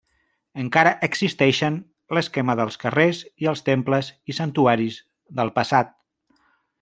Encara existeixen l’esquema dels carrers i els temples i santuaris del passat.